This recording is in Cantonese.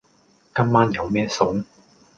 今晚有咩餸？